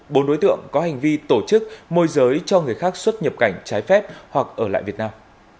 bốn đối tượng có hành vi tổ chức môi giới cho người khác xuất nhập cảnh trái phép hoặc ở lại việt nam